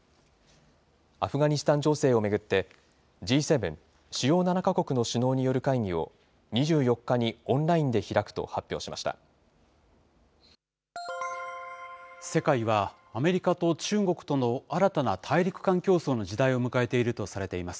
アフガニスタン情勢を巡って、Ｇ７・主要７か国の首脳による会議を２４日にオンラインで開くと世界は、アメリカと中国との新たな大陸間競争の時代を迎えているとされています。